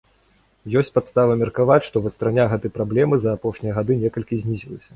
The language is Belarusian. Ёсць падставы меркаваць, што вастрыня гэтай праблемы за апошнія гады некалькі знізілася.